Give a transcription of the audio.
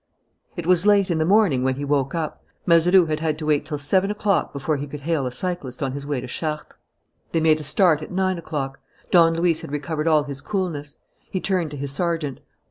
It was late in the morning when he woke up. Mazeroux had had to wait till seven o'clock before he could hail a cyclist on his way to Chartres. They made a start at nine o'clock. Don Luis had recovered all his coolness. He turned to his sergeant.